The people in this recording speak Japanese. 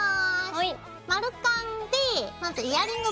はい。